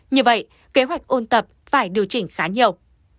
như vậy kế hoạch ôn tập phải điều chỉnh khá nhiều